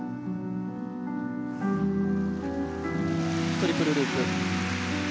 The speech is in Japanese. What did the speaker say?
トリプルループ。